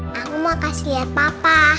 ma aku mau kasih lihat papa